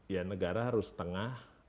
ya negara harus setengah